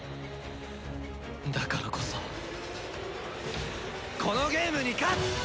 だからこそこのゲームに勝つ！